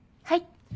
はい。